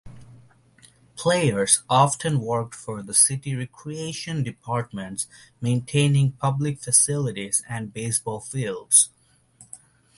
Players often worked for the city recreation departments maintaining public facilities and baseball fields.